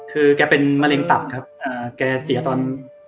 คือแกเป็นมะเร็งตับครับแกเสียตอน